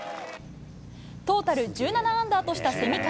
トータル１７アンダーとした蝉川。